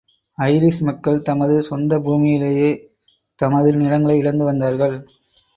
Irish மக்கள் தமது சொந்தப் பூமியிலேயே தமது நிலங்களை இழந்து வந்தார்கள்.